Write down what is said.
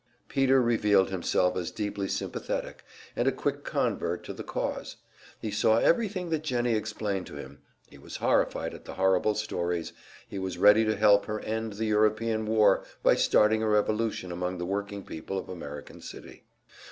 Peter revealed himself as deeply sympathetic, and a quick convert to the cause; he saw everything that Jennie explained to him, he was horrified at the horrible stories, he was ready to help her end the European war by starting a revolution among the working people of American City.